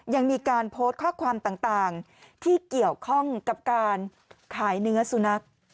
ยังมีการโพสต์ข้อความต่างที่เกี่ยวข้องกับการขายเนื้อสุนัข